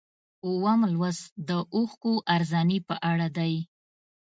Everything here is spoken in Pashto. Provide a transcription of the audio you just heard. اووم لوست د اوښکو ارزاني په اړه دی.